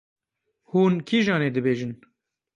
Hûn Kîjanê dibêjin?